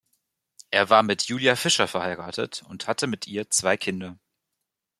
Er war mit Julia Fisher verheiratet und hatte mit ihr zwei Kinder.